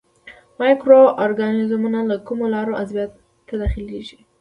مایکرو ارګانیزمونه له کومو لارو عضویت ته داخليږي.